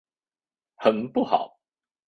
很不好！